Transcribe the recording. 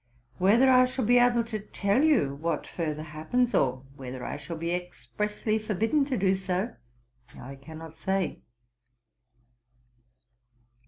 Whether I shall be able to tell you what further happens, or whether I shall be expressly forbidden to do so, I cannot say.